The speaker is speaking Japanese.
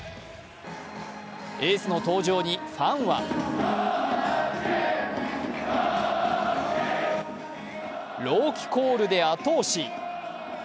エースの登場にファンは朗希コールで後押し。